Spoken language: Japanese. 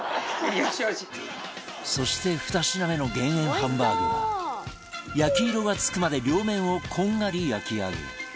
そして２品目の減塩ハンバーグは焼き色が付くまで両面をこんがり焼き上げ